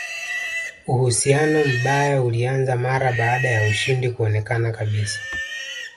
Uhusiano mbaya ulianza mara baada ya ushindi kuonekana kabisa